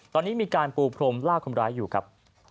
ตอนนี้มีการปูพรมล่าคนร้ายอยู่ครับ